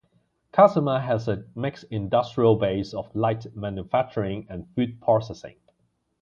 Kasama has a mixed industrial base of light manufacturing and food processing.